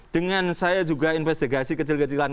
dengan saya juga investigasi kecil kecilan